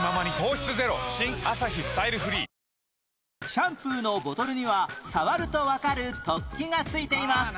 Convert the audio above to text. シャンプーのボトルには触るとわかる突起がついています